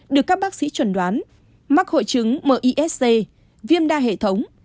được các bác sĩ chuẩn đoán mắc hội chứng misc viêm đa hệ thống